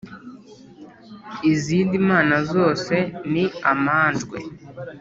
izindi mana zose ni amanjwe!»